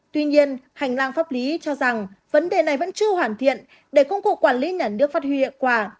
tuy nhiên hành lang pháp lý cho rằng vấn đề này vẫn chưa hoàn thiện để công cuộc quản lý nhà nước phát huy hiệu quả